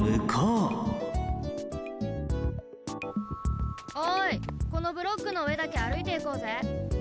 たとえばおいこのブロックのうえだけあるいていこうぜ。